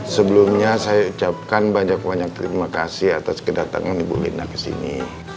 sebelumnya saya ucapkan banyak banyak terima kasih atas kedatangan ibu mirna kesini